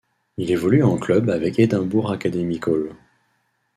Il évolue en club avec Edinburgh Academicals.